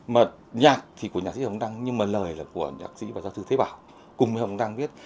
mà nhạc thì của nhạc sĩ hồng đăng nhưng mà lời là của nhạc sĩ và giáo sư thế bảo cùng với hồng đăng viết